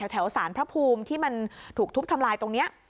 สารพระภูมิที่มันถูกทุบทำลายตรงนี้